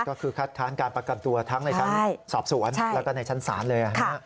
ก็คือคัดค้านการประกันตัวทั้งในชั้นสอบสวนแล้วก็ในชั้นศาลเลย